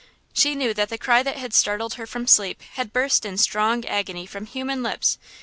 She knew that the cry that had startled her from sleep had burst in strong agony from human lips!